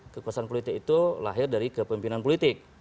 kekuasaan politik itu lahir dari kepemimpinan politik